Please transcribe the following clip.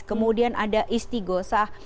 kemudian ada isti gosah